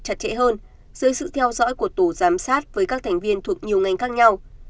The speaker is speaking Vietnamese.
chặt chẽ hơn dưới sự theo dõi của tổ giám sát với các thành viên thuộc nhiều ngành khác nhau